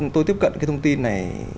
tôi tiếp cận cái thông tin này